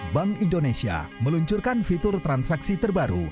bank indonesia meluncurkan fitur transaksi terbaru